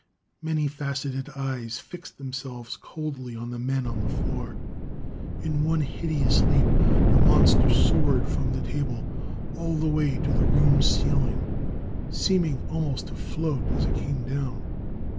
Many faceted eyes fixed themselves coldly on the men on the floor. In one hideous leap the monster soared from the table all the way to the room's ceiling, seeming almost to float as it came down.